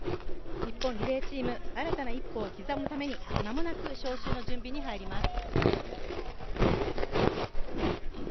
日本リレーチーム新たな一歩を刻むために間もなく招集の準備に入ります。